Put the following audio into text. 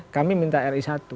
kami minta ri satu